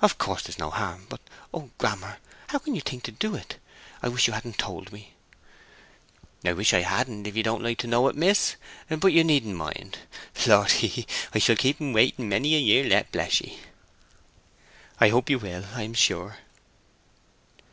"Of course there's no harm. But oh, Grammer, how can you think to do it? I wish you hadn't told me." "I wish I hadn't—if you don't like to know it, miss. But you needn't mind. Lord—hee, hee!—I shall keep him waiting many a year yet, bless ye!" "I hope you will, I am sure."